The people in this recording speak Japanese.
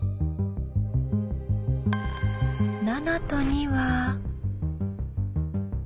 ７と２は。